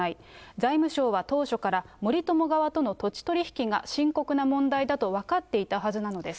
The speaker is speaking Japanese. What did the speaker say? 財務省は当初から、森友側との土地取引が深刻な問題だと分かっていたはずなのです。